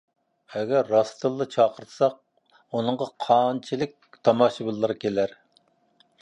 ئەگەر راستتىنلا چاقىرتساق، ئۇنىڭغا قانچىلىك تاماشىبىنلار كېلەر؟